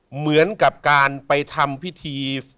เหมือนกับการไปทำพิธี